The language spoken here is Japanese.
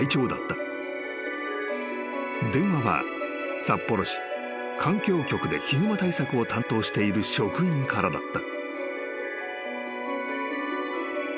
［電話は札幌市環境局でヒグマ対策を担当している職員からだった］